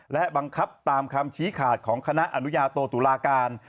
และบังคับตามคำชี้ขาดของคณะอนุญาโตตุลาการ